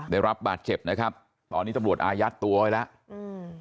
ได้รับบาดเจ็บนะครับตอนนี้ตำรวจอายัดตัวไว้แล้วอืม